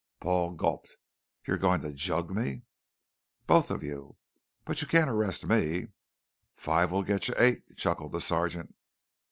Paul gulped. "You're going to jug me?" "Both of you." "But you can't arrest me " "Five will get you eight," chuckled the sergeant.